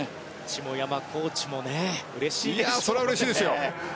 下山コーチもうれしいでしょうね。